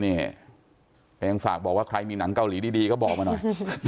นี่แต่ยังฝากบอกว่าใครมีหนังเกาหลีดีก็บอกมาหน่อย